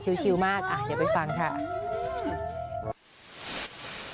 ตอบชิวมากอย่าไปฟังด้วยค่ะ